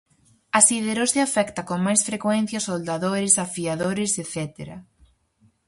A siderose afecta con máis frecuencia soldadores, afiadores etcétera.